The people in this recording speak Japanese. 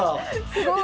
すごい。